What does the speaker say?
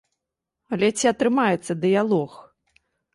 Але ці атрымаецца дыялог?